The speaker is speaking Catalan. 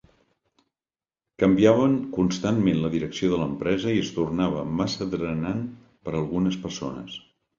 Canviaven constantment la direcció de l'empresa i es tornava massa drenant per a algunes persones.